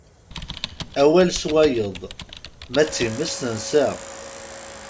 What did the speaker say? Awal s wayeḍ, ma d times tensa.